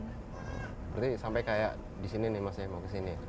berarti sampai kayak di sini nih mas ya mau kesini